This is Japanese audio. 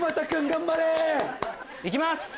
行きます！